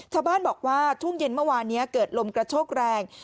ชาวบ้านบอกว่าช่วงเย็นเมื่อวานนี้เกิดลมกระโชกแรง